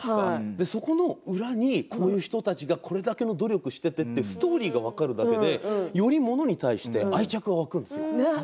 そこの裏にこういう人たちがこれだけの努力をしてというストーリーが分かるだけでより物に対して愛着が湧くんですよ。